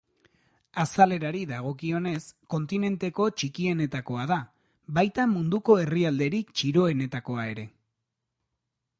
Azalerari dagokionez, kontinenteko txikienetakoa da, baita munduko herrialderik txiroenetakoa ere.